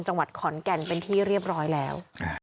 จังหวัดขอนแก่นเป็นที่เรียบร้อยแล้ว